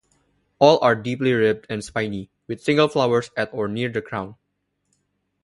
All are deeply ribbed and spiny, with single flowers at or near the crown.